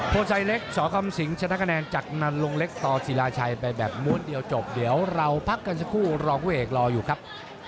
โชชัยเล็กสคำสิงชนะคะแนนจากนันลงเล็กต่อศิลาชัยไปแบบม้วนเดียวจบเดี๋ยวเราพักกันสักครู่รองผู้เอกรออยู่ครับ